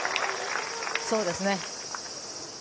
そうですね。